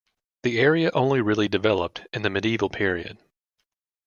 The area only really developed in the medieval period.